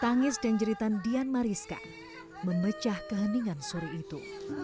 tangis dan jeritan dian mariska memecah keheningan sore itu